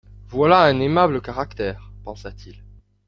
Voilà un aimable caractère, pensa-t-il.